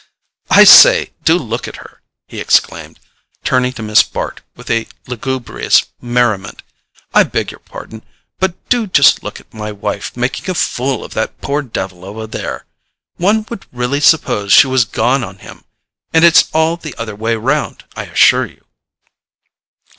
"I say, do look at her," he exclaimed, turning to Miss Bart with lugubrious merriment—"I beg your pardon, but do just look at my wife making a fool of that poor devil over there! One would really suppose she was gone on him—and it's all the other way round, I assure you."